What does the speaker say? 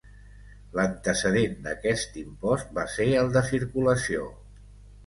L'antecedent d'aquest impost va ser el de Circulació.